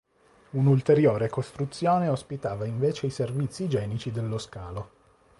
Un'ulteriore costruzione ospitava invece i servizi igienici dello scalo.